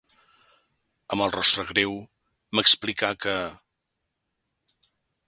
Amb rostre greu, m'explicà que...